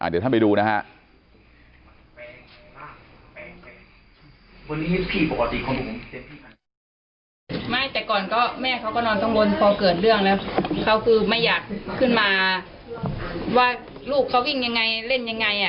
พอเกิดเรื่องแล้วเค้าคือไม่อยากขึ้นมาว่าลูกเค้าวิ่งยังไงเล่นยังไงอ่ะ